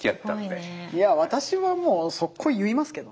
いや私はもうそっこう言いますけどね。